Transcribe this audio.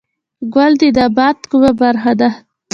ګل د نبات کومه برخه ده؟